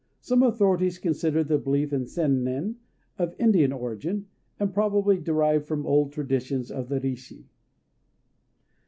Some authorities consider the belief in sennin of Indian origin, and probably derived from old traditions of the Rishi.